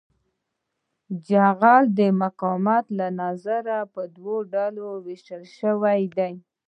جغل د مقاومت له نظره په دوه ډلو ویشل شوی دی